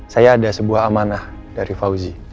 saya ada sebuah amanah dari fauzi